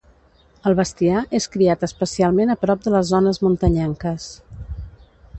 El bestiar és criat especialment a prop de les zones muntanyenques.